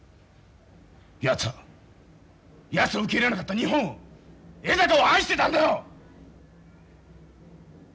やつはやつを受け入れなかった日本を江坂を愛してたんだよ！